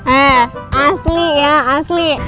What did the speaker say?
eh asli ya asli